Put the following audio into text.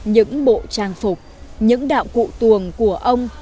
những bộ trang phục những đạo cụ tuồng của ông